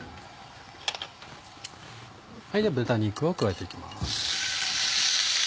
では豚肉を加えて行きます。